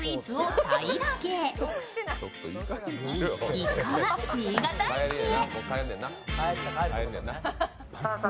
一行は新潟駅へ。